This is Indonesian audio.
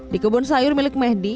di kebun sayur milik mehdi